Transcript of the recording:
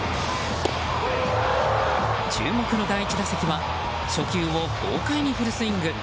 注目の第１打席は初球を豪快に振るスイング。